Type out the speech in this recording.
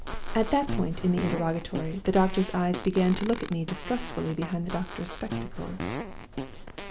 "At that point in the interrogatory, the doctor's eyes began to look at me distrustfully behind the doctor's spectacles.